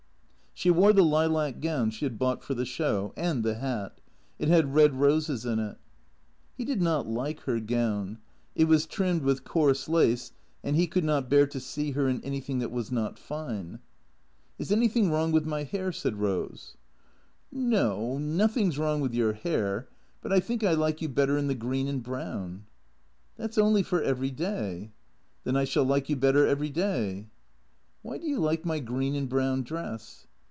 She wore the lilac gown she had bought for the Show, and the hat. It had red roses in it. He did not like her gown. It was trimmed with coarse lace, and he could not bear to see her in anything that was not fine. T H E C R E A T 0 K S 35 " Is anything wrong with my hair ?" said Rose. " No, nothing 's wrong with your hair, but I think I like you better in the green and brown "" That 's only for every day." " Then I shall like you better every day." " Why do you like my green and brown dress